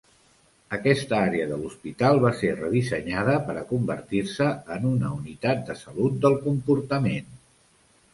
Aquesta àrea de l'hospital va ser redissenyada per a convertir-se en una Unitat de Salut del Comportament.